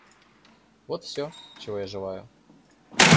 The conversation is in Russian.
Вот всё, чего я желаю.